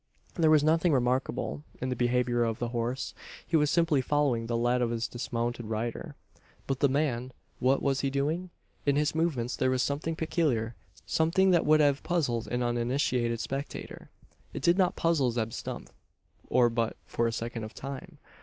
There was nothing remarkable in the behaviour of the horse; he was simply following the lead of his dismounted rider. But the man what was he doing? In his movements there was something peculiar something that would have puzzled an uninitiated spectator. It did not puzzle Zeb Stump; or but for a second of time.